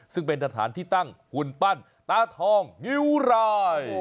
ซึ่งเป็นสถานที่ตั้งหุ่นปั้นตาทองงิ้วราย